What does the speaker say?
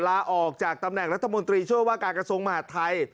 ลาออกจากตำแหน่งรัฐมนตรีช่วยว่ากากสมมหาธัย